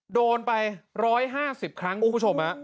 โดนไป๑๕๐ครั้งคุณผู้ชม